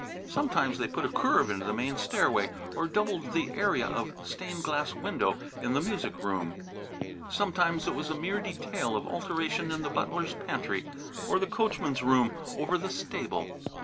Sometimes they put a curve into the main stairway or doubled the area of stained glass window in the music room; sometimes it was a mere detail of alteration in the butler's pantry, or the coachman's room over the stable.